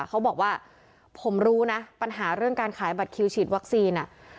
เขาบอกว่าผมรู้นะปัญหาเรื่องการขายบัตรคิวฉีดวัคซีน